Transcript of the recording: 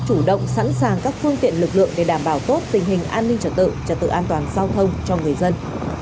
chủ động sẵn sàng các phương tiện lực lượng để đảm bảo tốt tình hình an ninh trật tự trật tự an toàn giao thông cho người dân